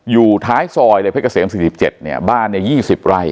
อยู่ท้ายซอยเลยเพชรเกษม๔๗เนี่ยบ้านเนี่ย๒๐ไร่